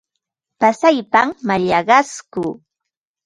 Pasaypam mallaqaykuu.